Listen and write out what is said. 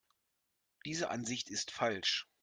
Diese Ansicht ist falsch.